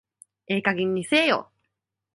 ええ加減にせえよ